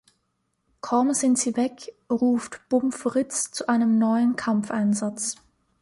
Kaum sind sie weg, ruft Bumm Fritz zu einem neuen Kampfeinsatz.